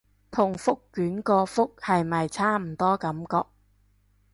同覆卷個覆係咪差唔多感覺